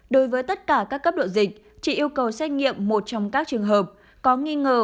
đối với tất cả các cấp độ dịch chỉ yêu cầu xét nghiệm một trong các trường hợp có nghi ngờ